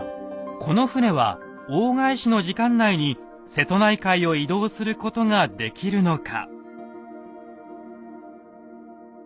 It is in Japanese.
この船は大返しの時間内に瀬戸内海を移動することができるのか。